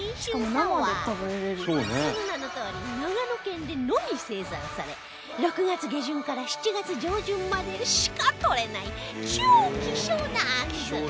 その名のとおり長野県でのみ生産され６月下旬から７月上旬までしかとれない超希少なあんず